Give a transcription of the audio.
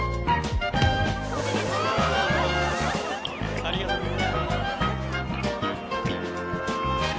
ありがとう。